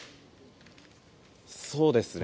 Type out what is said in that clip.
そうですね。